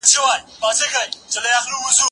زه به اوږده موده موسيقي اورېدلې وم؟